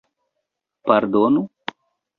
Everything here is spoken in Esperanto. Pardonu?